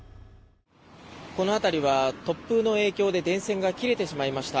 この辺りは突風の影響で電線が切れてしまいました。